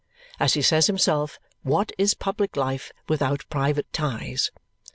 As he says himself, what is public life without private ties?